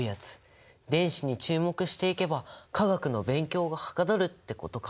電子に注目していけば化学の勉強がはかどるってことか。